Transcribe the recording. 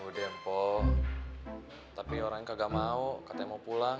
udah mpok tapi orang yang kagak mau katanya mau pulang